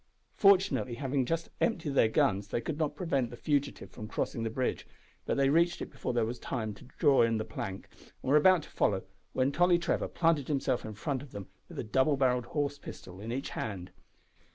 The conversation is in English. Fortunately, having just emptied their guns, they could not prevent the fugitive from crossing the bridge, but they reached it before there was time to draw in the plank, and were about to follow, when Tolly Trevor planted himself in front of them with a double barrelled horse pistol in each band.